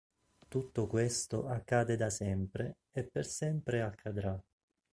Tutto questo accade da sempre e per sempre accadrà.